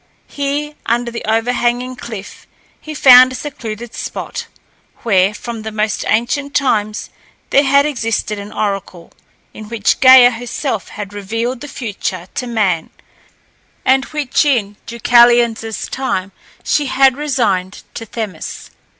Here, under the overhanging cliff, he found a secluded spot, where, from the most ancient times, there had existed an oracle, in which Gæa herself had revealed the future to man, and which, in Deucalion's time, she had resigned to Themis.